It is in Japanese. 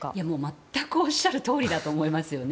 全くおっしゃるとおりだと思います。